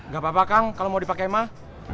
gak apa apa kang kalau mau dipakai mah